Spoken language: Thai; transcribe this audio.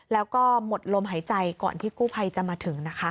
แล้วก็หมดลมหายใจก่อนที่กู้ภัยจะมาถึงนะคะ